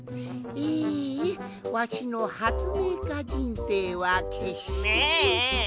えわしのはつめいかじんせいはけっして。